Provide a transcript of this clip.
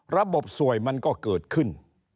ระบบสวยมันก็เกิดขึ้น